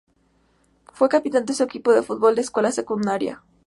Fue capitán de su equipo de fútbol de escuela secundaria.